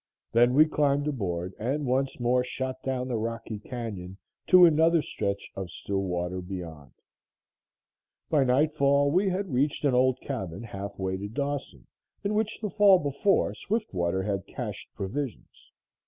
Then we climbed aboard and once more shot down the rocky canyon to another stretch of still water beyond. By nightfall we had reached an old cabin half way to Dawson, in which the fall before Swiftwater had cached provisions.